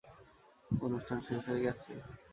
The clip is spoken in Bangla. অনুষ্ঠান শেষ হয়ে গেছে?